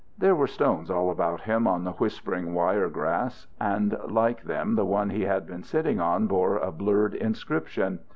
There were stones all about him on the whispering wire grass, and like them the one he had been sitting on bore a blurred inscription.